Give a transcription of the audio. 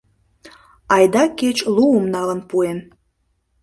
Айда кеч луым налын пуэм!